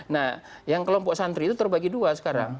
nah yang kelompok santri itu terbagi dua sekarang